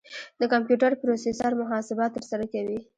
د کمپیوټر پروسیسر محاسبات ترسره کوي.